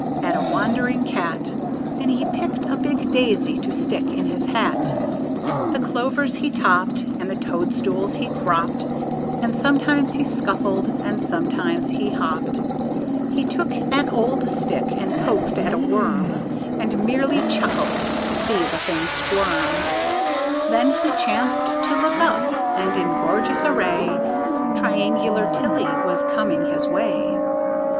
At a wandering cat, And he picked a big daisy to stick in his hat; The clovers he topped, And the toadstools he cropped, And sometimes he scuffled and sometimes he hopped. He took an old stick and poked at a worm, And merrily chuckled to see the thing squirm; When he chanced to look up, and in gorgeous array Triangular Tilly was coming his way.